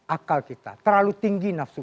akal kita terlalu tinggi nafsu